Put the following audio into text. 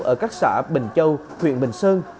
ở các xã bình châu huyện bình sơn